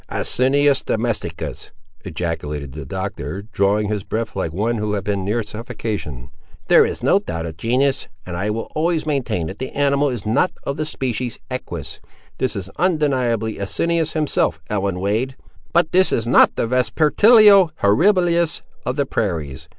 "Asinus Domesticus!" ejaculated the Doctor, drawing his breath like one who had been near suffocation. "There is no doubt of the genus; and I will always maintain that the animal is not of the species, equus. This is undeniably Asinus himself, Ellen Wade; but this is not the Vespertilio Horribilis of the prairies!